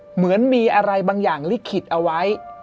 เหมือนมีอะไรบางอย่างลิขิตเอาไว้